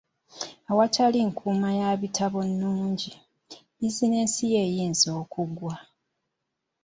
Awatali nkuuma ya bitabo nnungi, bizinensi yo eyinza okugwa.